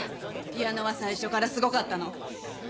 ピアノは最初からすごかったの！